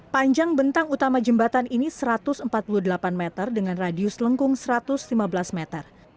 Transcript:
panjang bentang utama jembatan ini satu ratus empat puluh delapan meter dengan radius lengkung satu ratus lima belas meter